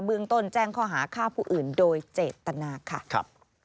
เมืองต้นแจ้งข้อหาฆ่าผู้อื่นโดยเจตนาค่ะ